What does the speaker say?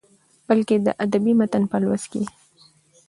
بلکې د ادبي متن په لوست کې يې